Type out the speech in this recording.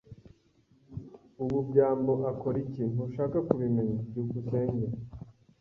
"Ubu byambo akora iki?" "Ntushaka kubimenya." byukusenge